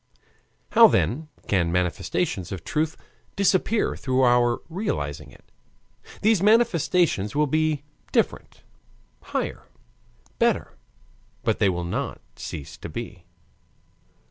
How then can the manifestations of truth disappear through our realizing it? These manifestations will be different, higher, better, but they will not cease to be.